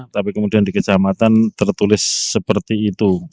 tapi kemudian di kecamatan tertulis seperti itu